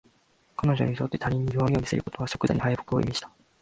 彼女にとって他人に弱みを見せるとは即座に敗北を意味した